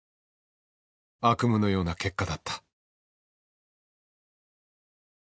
悪夢のような結果だった。